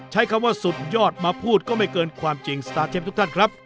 ใช้คำว่าสุดยอดมาพูดก็ไม่เกินความจริงสตาร์เชฟทุกท่านครับ